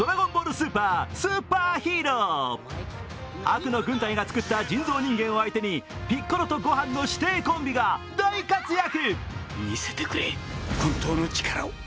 悪の軍隊がつくった人造人間を相手にピッコロと悟飯の師弟コンビが大活躍。